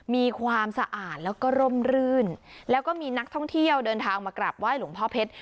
มีความสะอาดแล้วก็ร่มรื่นแล้วก็มีนักท่องเที่ยวเดินทางมากราบไห้หลวงพ่อเพชร